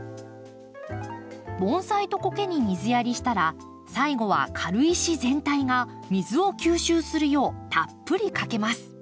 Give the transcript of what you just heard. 盆栽とコケに水やりしたら最後は軽石全体が水を吸収するようたっぷりかけます。